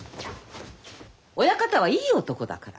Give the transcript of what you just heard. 親方はいい男だから。